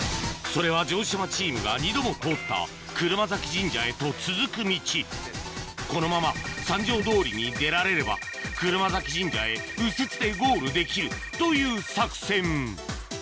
それは城島チームが２度も通った車折神社へと続く道このまま三条通に出られれば車折神社へ右折でゴールできるという作戦